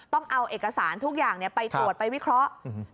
ต้องเอาเอกสารทุกอย่างไปตรวจไปวิเคราะห์